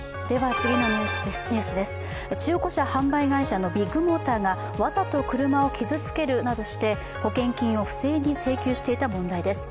中古車販売会社のビッグモーターがわざと車を傷つけるなどして保険金を不正に請求していた問題です。